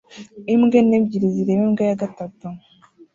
Imbwa nto ebyiri zireba imbwa ya gatatu